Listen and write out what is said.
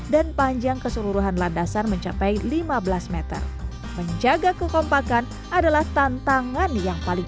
dan panjang keseluruhan landasan mencapai lima belas m menjaga kekompakan adalah tantangan yang paling